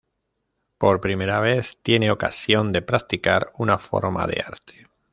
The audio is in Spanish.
Por primera vez tiene ocasión de practicar una forma de arte.